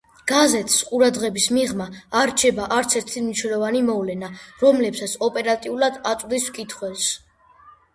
გაზეთს ყურადღების მიღმა არ რჩება არც ერთი მნიშვნელოვანი მოვლენა, რომლებსაც ოპერატიულად აწვდის მკითხველს.